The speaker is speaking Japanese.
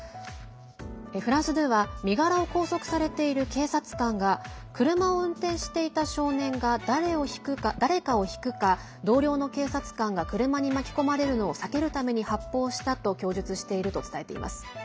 フランス２は身柄を拘束されている警察官が車を運転していた少年が誰かをひくか同僚の警察官が車に巻き込まれるのを避けるために発砲したと供述していると伝えています。